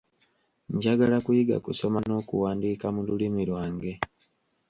Njagala kuyiga kusoma n'okuwandiika mu lulimi lwange.